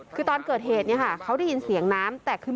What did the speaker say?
คือตอนเกิดเหตุเนี่ยค่ะเขาได้ยินเสียงน้ำแตกคือ